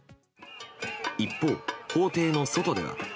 一方、法廷の外では。